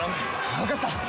わかった！